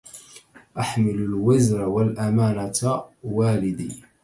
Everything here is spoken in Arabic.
أحمل الوزر والأمانة والدي